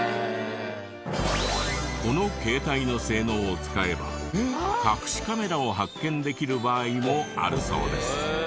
この携帯の性能を使えば隠しカメラを発見できる場合もあるそうです。